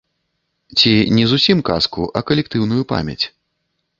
Ці не зусім казку, а калектыўную памяць.